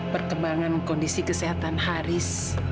perkembangan kondisi kesehatan haris